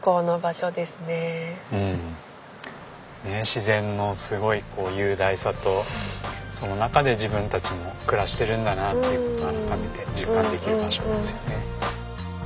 自然のすごい雄大さとその中で自分たちも暮らしてるんだなっていう事を改めて実感できる場所ですよね。